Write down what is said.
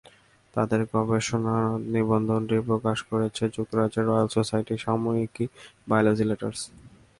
তাঁদের গবেষণা নিবন্ধটি প্রকাশ করেছে যুক্তরাজ্যের রয়েল সোসাইটির সাময়িকী বায়োলজি লেটার্স।